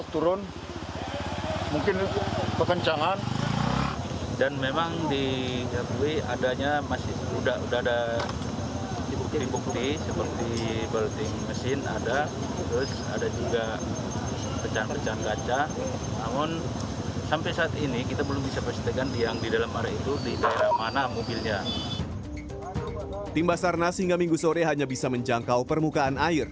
tim basarnas hingga minggu sore hanya bisa menjangkau permukaan air